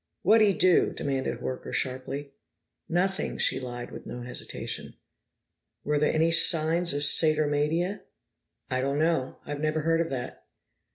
"What'd he do?" demanded Horker sharply. "Nothing." She lied with no hesitation. "Were there any signs of Satyromania?" "I don't know. I never heard of that."